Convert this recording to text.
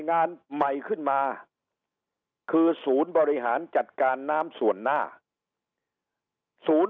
งานใหม่ขึ้นมาคือศูนย์บริหารจัดการน้ำส่วนหน้าศูนย์